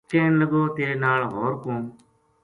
کہن لگو تیرے نال ہو ر کون